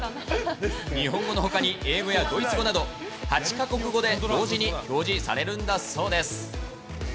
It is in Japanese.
日本語のほかに英語やドイツ語など、８か国語で同時に表示されるんだそうです。